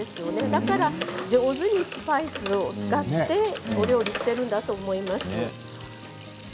だから上手にスパイスを使ってお料理しているんだと思います。